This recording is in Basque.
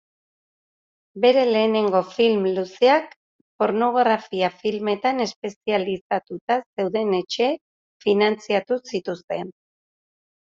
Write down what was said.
Bere lehenengo film luzeak pornografia-filmetan espezializatuta zeuden etxeek finantzatu zituzten.